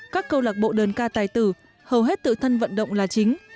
các câu lạc bộ đơn ca tài tử hầu hết tự thân vận động là chính